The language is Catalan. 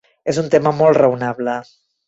Es un tema molt raonable.